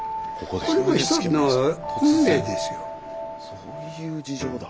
そういう事情だ。